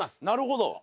なるほど。